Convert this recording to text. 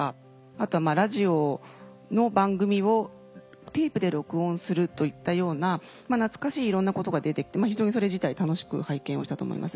あとはラジオの番組をテープで録音するといったような懐かしいいろんなことが出てきて非常にそれ自体楽しく拝見をしたと思います。